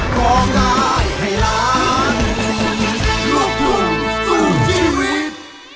ภาระในเขตอ้อมแขน